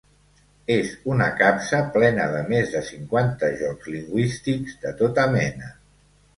És una capsa plena de més de cinquanta jocs lingüístics de tota mena.